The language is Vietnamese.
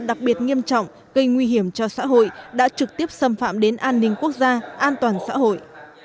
đặc biệt nghiêm trọng gây nguy hiểm cho xã hội đã trực tiếp xâm phạm đến an ninh quốc gia an toàn xã hội